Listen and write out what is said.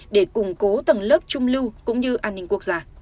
để củng cố tầng lớp trung lưu cũng như an ninh quốc gia